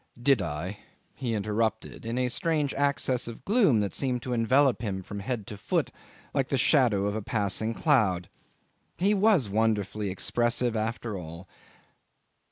... "Did I?" he interrupted in a strange access of gloom that seemed to envelop him from head to foot like the shadow of a passing cloud. He was wonderfully expressive after all.